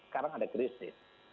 sekarang ada krisis